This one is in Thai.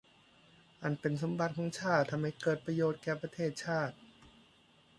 อันเป็นสมบัติของชาติให้เกิดประโยชน์แก่ประเทศชาติ